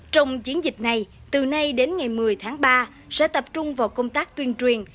trong chiến dịch này từ nay đến ngày một mươi tháng ba sẽ tập trung vào công tác tuyên truyền